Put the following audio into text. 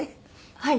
はい。